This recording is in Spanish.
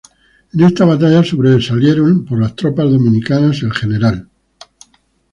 En esta batalla sobresalieron por las tropas dominicanas el Gral.